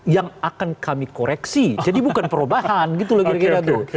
yang akan kami koreksi jadi bukan perubahan gitu loh kira kira tuh